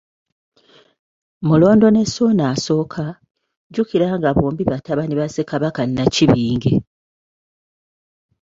Mulondo ne Ssuuna I, jjukira nga bombi batabani ba Ssekabaka Nnakibinge.